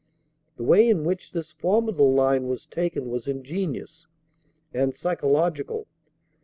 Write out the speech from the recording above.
The way in which this formidable line was taken was ingenious and psychological.